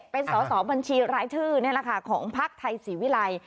เป็นสอสอบัญชีรายชื่อนี่แหละค่ะของพักไทยศรีวิรัย